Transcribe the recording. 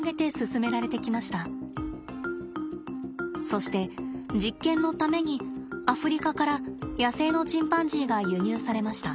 そして実験のためにアフリカから野生のチンパンジーが輸入されました。